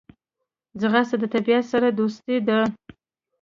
ځغاسته د طبیعت سره دوستي ده